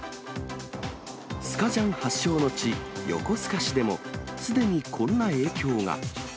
スカジャン発祥の地、横須賀市でも、すでにこんな影響が。